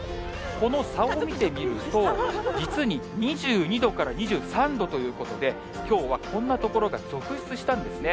この差を見てみると、実に２２度から２３度ということで、きょうはこんな所が続出したんですね。